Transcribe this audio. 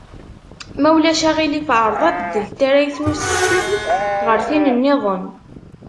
Ma ulac aɣilif, ɛreḍ abeddel n tarrayt n usesteb ɣer tin-nniḍen.